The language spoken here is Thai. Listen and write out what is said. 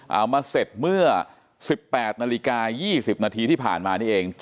เอามาเสร็จเมื่อ๑๘นาฬิกา๒๐นาทีที่ผ่านมานี่เอง